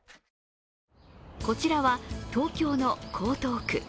こちらは東京の江東区。